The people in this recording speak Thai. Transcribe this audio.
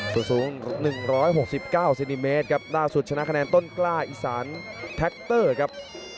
ส่วนสูง๑๖๙เซนติเมตรครับล่าสุดชนะคะแนนต้นกล้าอีสานแท็กเตอร์ครับ